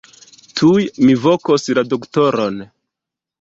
Tuj mi vokos la doktoron.